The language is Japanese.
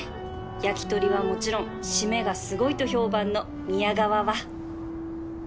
焼き鳥はもちろん締めがすごいと評判の宮川は